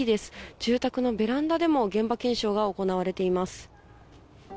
住宅のベランダでも現場検証が行われています。